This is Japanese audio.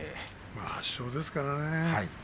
８勝ですからね。